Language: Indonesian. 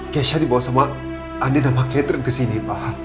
keisha dibawa sama andin sama catherine kesini pak